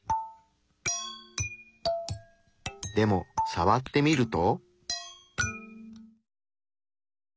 でもさわってみると。